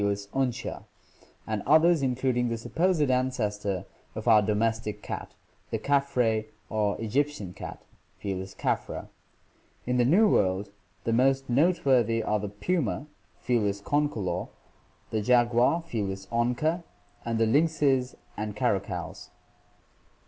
tmcia), and others including the supposed ancestor of our domestic cat, the caff re or Egyptian cat (F. caffra). In the New World the most noteworthy are the puma (F. concolor), the jaguar (F. onca), and the lynxes and caracals.